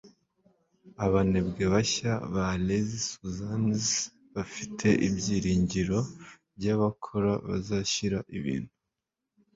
Abanebwe bashya ba Lazy Susans bafite ibyiringiro byabakora bazashyira ibintu